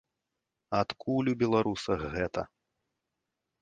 Адкуль у беларусах гэта?